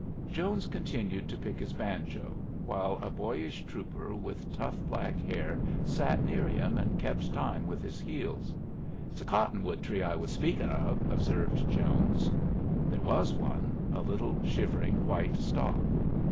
Jones continued to pick his banjo, while a boyish trooper with tough black hair sat near him and kept time with his heels. "It's a cottonwood tree I was speakin' of," observed Jones. There was one a little, shivering white stalk.